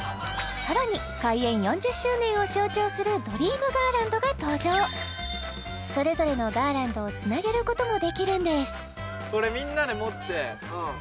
さらに開園４０周年を象徴するドリームガーランドが登場それぞれのガーランドをつなげることもできるんですそうね